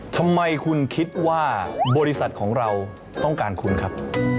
ทำไมคุณคิดว่าบริษัทของเราต้องการคุณครับ